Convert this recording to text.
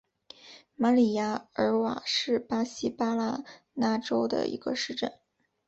马里亚尔瓦是巴西巴拉那州的一个市镇。